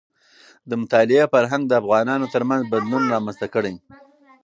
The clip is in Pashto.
د مطالعې فرهنګ د افغانانو ترمنځ بدلون رامنځته کړي.